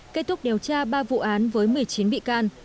kết thúc điều tra ba vụ án với một mươi chín bị can